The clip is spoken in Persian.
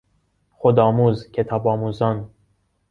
خودآموز، کتاب آموزان